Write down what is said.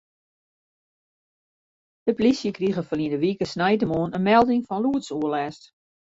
De polysje krige ferline wike sneintemoarn in melding fan lûdsoerlêst.